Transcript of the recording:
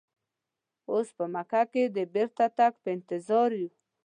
اوس په مکه کې د بیرته تګ په انتظار یو.